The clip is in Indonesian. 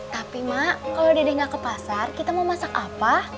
tapi mak kalau dede nggak ke pasar kita mau masak apa